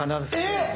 えっ！